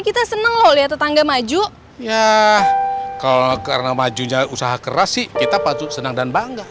kita seneng loh lihat tetangga maju ya kalau karena maju usaha keras sih kita patut senang dan bangga